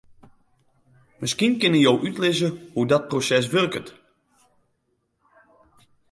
Miskien kinne jo útlizze hoe't dat proses wurket?